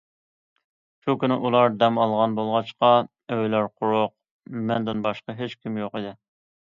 شۇ كۈنى ئۇلار دەم ئالغان بولغاچقا، ئۆيلەر قۇرۇق، مەندىن باشقا ھېچكىم يوق ئىدى.